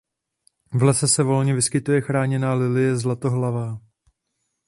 V lese se volně vyskytuje chráněná lilie zlatohlavá.